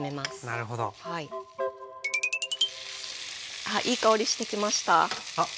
あっいい香りしてきました。